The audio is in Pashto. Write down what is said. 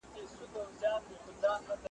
سمدستي د فرعون مخ کي پر سجدو سو `